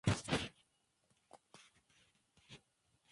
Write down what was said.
Su nombre se interpreta como: ""Lugar de Redes"".